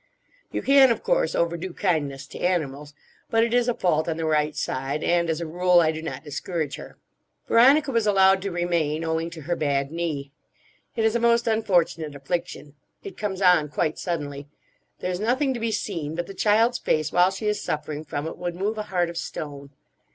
You can, of course, overdo kindness to animals, but it is a fault on the right side; and, as a rule, I do not discourage her. Veronica was allowed to remain, owing to her bad knee. It is a most unfortunate affliction. It comes on quite suddenly. There is nothing to be seen; but the child's face while she is suffering from it would move a heart of stone.